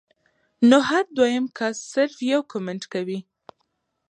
نو هر دويم کس صرف يو کمنټ کوي